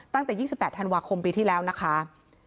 ตั้งแต่๒๘ธันวาคมปีที่แล้วนะคะ